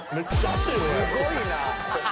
すごいな。